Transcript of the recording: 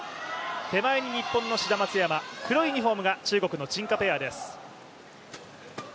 手前に日本の志田・松山、黒いユニフォームが中国の陳・賈ペアです。